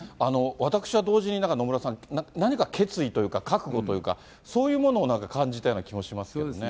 私は同時に、野村さん、何か決意というか、覚悟というか、そういうものをなんか感じたような気もしますけどね。